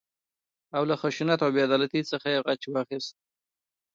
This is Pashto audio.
او له خشونت او بې عدالتۍ څخه غچ واخيست.